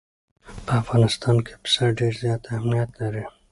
په افغانستان کې پسه ډېر زیات اهمیت لري.